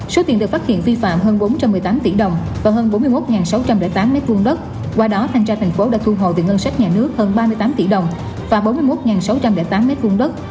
số tiền được phát hiện vi phạm hơn bốn trăm một mươi tám tỷ đồng và hơn bốn mươi một sáu trăm linh tám m hai đất